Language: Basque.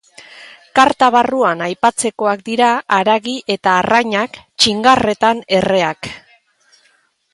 Karta barruan aipatzekoak dira haragi eta arrainak txingarretan erreak.